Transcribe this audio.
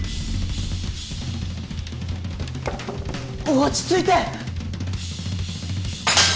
落ち着いて！